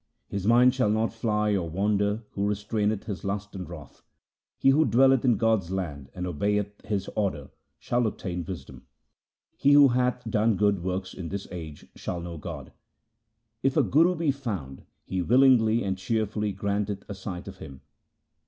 His mind shall not fly or wander who restraineth his lust and wrath. He who dwelleth in God's land and obeyeth His order shall obtain wisdom. He who hath done good works in this age shall know God. If a Guru be found he willingly and cheerfully granteth a sight of Him.